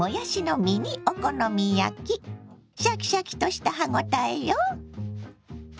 シャキシャキとした歯応えよ。